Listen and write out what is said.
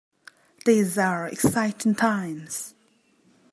These are exciting times.